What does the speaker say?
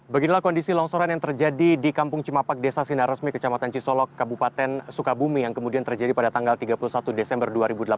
beginilah kondisi longsoran yang terjadi di kampung cimapak desa sinar resmi kecamatan cisolok kabupaten sukabumi yang kemudian terjadi pada tanggal tiga puluh satu desember dua ribu delapan belas